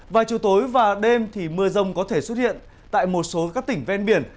vài chủ tối và đêm thì mưa rông có thể xuất hiện tại một số các tỉnh ven biển